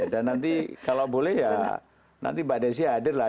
dan nanti kalau boleh ya nanti mbak desi ada lah